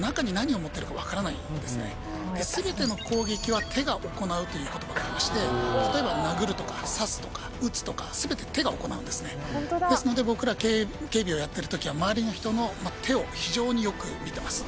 「全ての攻撃は手が行う」という言葉がありまして例えば殴るとか刺すとか撃つとか全て手が行うんですねですので僕ら警備をやってるときは周りの人の手を非常によく見てます